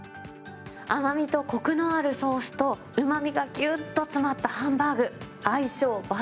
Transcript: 甘みとこくのあるソースと、うまみがぎゅっと詰まったハンバーグ。